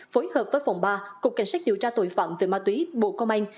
phối hợp với phòng ba cục cảnh sát điều tra tội phạm về ma túy bộ công an